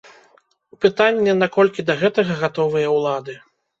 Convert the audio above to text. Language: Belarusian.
Пытанне, наколькі да гэтага гатовыя ўлады.